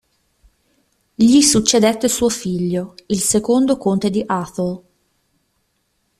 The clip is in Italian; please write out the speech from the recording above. Gli succedette suo figlio, il secondo conte di Atholl.